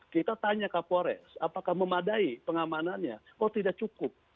kita tanya ke polres apakah memadai pengamanannya oh tidak cukup